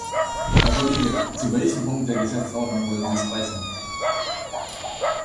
Herr Kollege, zu welchem Punkt der Geschäftsordnung wollen Sie sprechen?